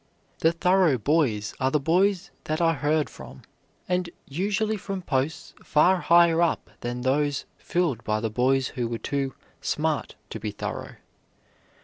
The thorough boys are the boys that are heard from, and usually from posts far higher up than those filled by the boys who were too "smart" to be thorough.